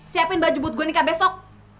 siapin baju booth gue nikah besok